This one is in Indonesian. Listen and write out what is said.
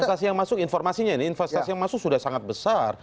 investasi yang masuk informasinya ini investasi yang masuk sudah sangat besar